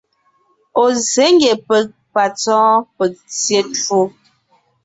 Ɔ̀ zsě ngie peg ,patsɔ́ɔn, peg tyé twó.